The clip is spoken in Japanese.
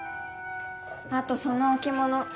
あとその置物。